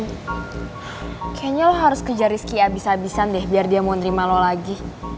nom kayaknya lo harus kejar rizky abis abisan deh biar dia mau nerima lo lagi